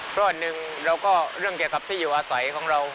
เพราะอันหนึ่งเราก็เรื่องเกี่ยวกับที่อยู่อาศัยของเรา